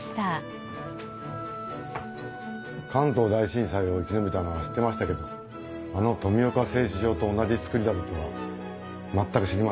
関東大震災を生き延びたのは知ってましたけどあの富岡製糸場と同じ造りだったとは全く知りませんでした。